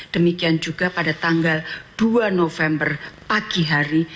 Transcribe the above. demikian juga pada tanggal dua november pagi hari